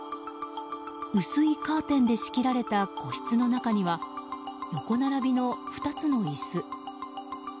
薄いカーテンで仕切られた個室の中には横並びの２つの椅子。